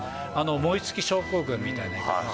燃え尽き症候群みたいな。